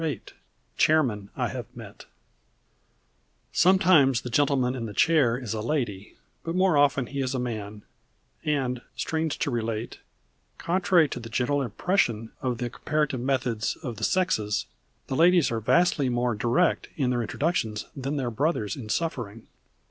VIII CHAIRMEN I HAVE MET Sometimes the Gentleman in the Chair is a Lady, but more often he is a man, and, strange to relate, contrary to the general impression of the comparative methods of the sexes, the ladies are vastly more direct in their introductions than their Brothers in Suffering.